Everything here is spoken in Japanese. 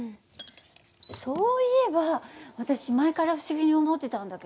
そういえば私前から不思議に思ってたんだけど。